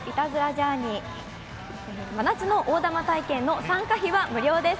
ジャーニー真夏の大玉体験の参加費は無料です。